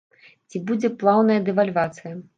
Ці будзе плаўная дэвальвацыя?